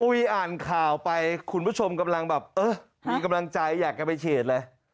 อ่านข่าวไปคุณผู้ชมกำลังแบบเออมีกำลังใจอยากจะไปฉีดเลย